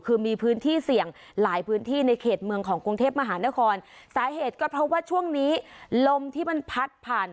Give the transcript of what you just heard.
คือมีพื้นที่เสี่ยงหลายพื้นที่ในเขตเมืองของกรุงเทพมหานครสาเหตุก็เพราะว่าช่วงนี้ลมที่มันพัดผ่าน